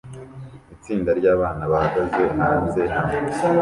Itsinda ryabana bahagaze hanze hamwe